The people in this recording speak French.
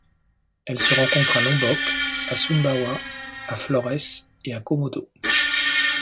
Elle se rencontre à Lombok, à Sumbawa, à Florès et à Komodo.